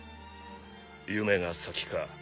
夢が先か？